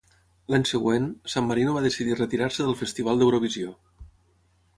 L'any següent, San Marino va decidir retirar-se del Festival d'Eurovisió.